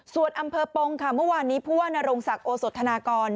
ส่วนอำเภอปงค่ะเมื่อวานนี้ผู้ว่านรงศักดิ์โอสธนากร